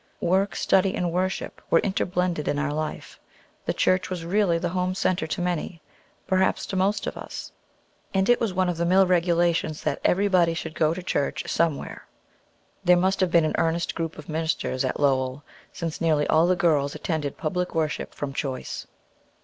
Work, study, and worship were interblended in our life. The church was really the home centre to many, perhaps to most of us; and it was one of the mill regulations that everybody should go to church somewhere. There must have been an earnest group of ministers at Lowell, since nearly all the girls attended public worship from choice.